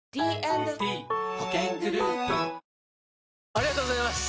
ありがとうございます！